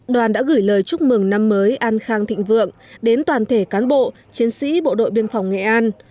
đoàn đã gửi lời chúc mừng năm mới an khang thịnh vượng đến toàn thể cán bộ chiến sĩ bộ đội biên phòng nghệ an